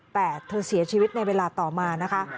แต่เธอเสียชีวิตในเวลาต่อมานะคะ